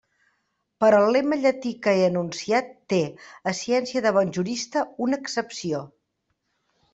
Però el lema llatí que he enunciat té, a ciència de bon jurista, una excepció.